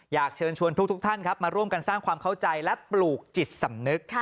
อยากเชิญชวนทุกท่านครับมาร่วมกันสร้างความเข้าใจและปลูกจิตสำนึก